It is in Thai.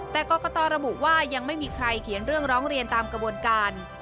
แต่กรกตระบุว่ายังไม่มีใครเขียนเรื่องร้องเรียนตามกระบวนการ